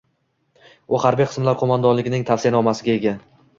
U harbiy qismlar qoʻmondonligining tavsiyanomasiga ega